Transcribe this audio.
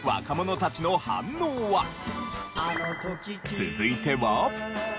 続いては。